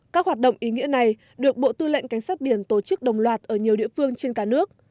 các hoạt động ý nghĩa này được bộ tư lệnh cảnh sát biển tổ chức đồng loạt ở nhiều địa phương trên cả nước